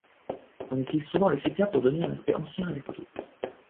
On utilise souvent le sépia pour donner un aspect ancien à des photos.